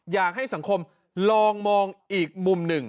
อยากให้สังคมลองมองอีกมุมหนึ่ง